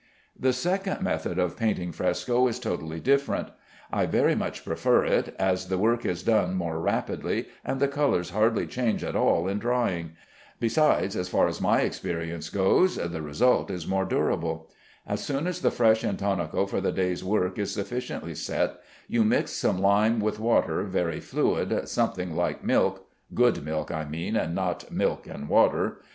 The second method of painting fresco is totally different. I very much prefer it, as the work is done more rapidly, and the colors hardly change at all in drying. Besides (as far as my experience goes), the result is more durable. As soon as the fresh intonaco for the day's work is sufficiently set, you mix some lime with water very fluid, something like milk (good milk, I mean, and not milk and water).